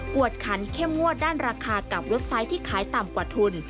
วดขันเข้มงวดด้านราคากับเว็บไซต์ที่ขายต่ำกว่าทุน